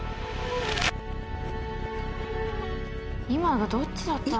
今のどっちだったんだ？